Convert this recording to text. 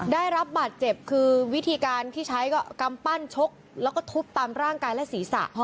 ได้รับบาดเจ็บคือวิธีการที่ใช้ก็กำปั้นชกแล้วก็ทุบตามร่างกายและศีรษะ